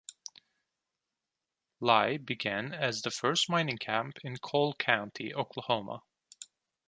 Lehigh began as the first mining camp in Coal County, Oklahoma.